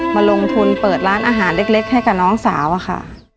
มาลงทุนเปิดร้านอาหารเล็กให้กับน้องสาวอะค่ะ